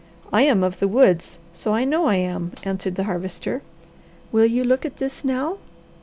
"I am of the woods, so I know I am," answered the Harvester. "Will you look at this now?"